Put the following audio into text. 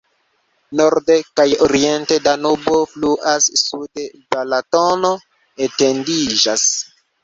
Norde kaj oriente Danubo fluas, sude Balatono etendiĝas.